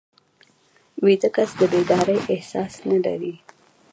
ویده کس د بیدارۍ احساس نه لري